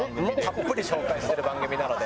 たっぷり紹介してる番組なので。